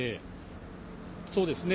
そうですね。